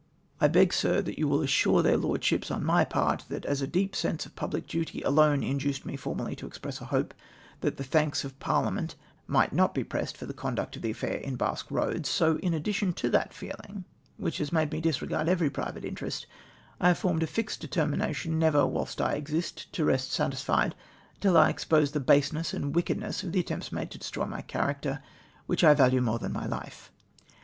" I beg, Sir, that you will assure their LordshijDS on my part, that as a deep sense of public duty alone induced me formerly to express a hope that the thanks of I*arliament might not be pressed for the conduct of the affair in Basque Eoads, so, in addition to that feeling, which made me disre gard every private interest, I liave formed a fixed determin ation never, whilst I exist, to rest satisfied until I expose the baseness and wickedness of the attempts made to destroy my character, which I value more than my life.